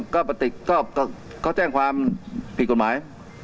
ก็แจ้งความผิดกฎหมาย